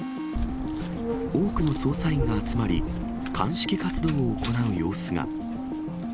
多くの捜査員が集まり、鑑識活動を行う様子が。